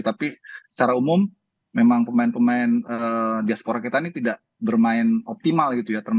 tapi secara umum memang pemain pemain diaspora kita ini tidak bermain optimal gitu ya